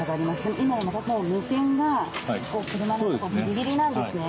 今目線が車のとこギリギリなんですね・・